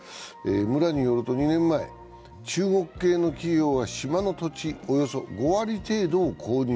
村によると２年前、中国系の企業が島の土地およそ５割程度を購入。